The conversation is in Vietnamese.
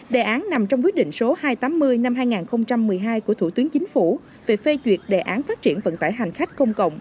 đề án nằm trong quyết định số hai trăm tám mươi năm hai nghìn một mươi hai của thủ tướng chính phủ về phê duyệt đề án phát triển vận tải hành khách công cộng